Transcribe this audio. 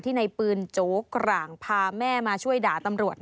ในปืนโจ๊กร่างพาแม่มาช่วยด่าตำรวจ